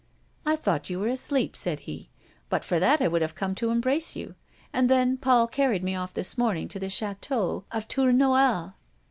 "I thought you were asleep," said he. "But for that I would have come to embrace you. And then Paul carried me off this morning to the château of Tournoel."